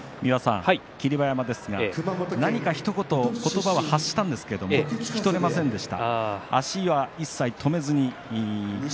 霧馬山ですが、何かひと言言葉を発したんですが聞き取れませんでした。